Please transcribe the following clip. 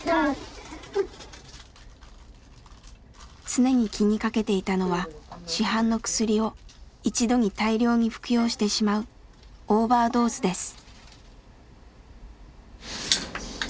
常に気にかけていたのは市販の薬を一度に大量に服用してしまうオーバードーズです。